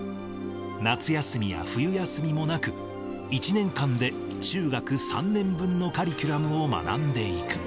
夏休みや冬休みもなく、１年間で中学３年分のカリキュラムを学んでいく。